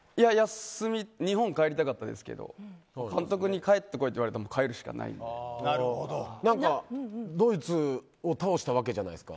日本に帰りたかったですけど監督に帰って来いと言われたらドイツを倒したわけじゃないですか。